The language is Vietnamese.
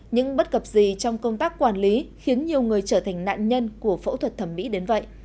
những bất cập gì trong công tác quản lý khiến nhiều người trở thành nạn nhân của phẫu thuật thẩm mỹ đến vậy